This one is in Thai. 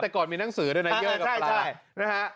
แต่ก่อนมีหนังสือด้วยนะเยอะกับปลาใช่